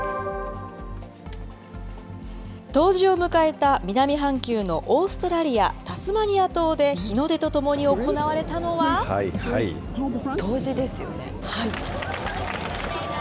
冬至を迎えた南半球のオーストラリア・タスマニア島で日の出とと冬至ですよね。